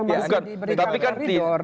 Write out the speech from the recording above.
masih diberikan dari dor